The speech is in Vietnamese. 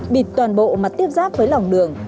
bịt toàn bộ mặt tiếp giáp với lòng đường